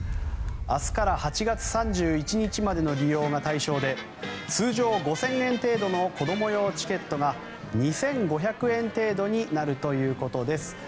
明日から８月３１日までの利用が対象で通常５０００円程度の子供用チケットが２５００円程度になるということです。